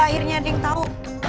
akhirnya ada yang tahu